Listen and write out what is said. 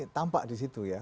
tampak di situ ya